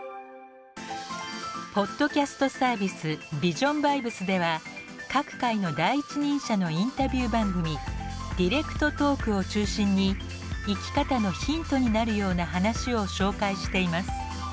ポッドキャストサービス「ＶｉｓｉｏｎＶｉｂｅｓ」では各界の第一人者のインタビュー番組「ＤｉｒｅｃｔＴａｌｋ」を中心に生き方のヒントになるような話を紹介しています。